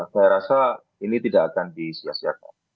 saya rasa ini tidak akan disiasiakan